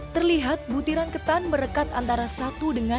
terlihat butiran ketan merekat antara satu dengan